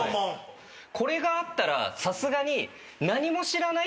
これがあったらさすがに。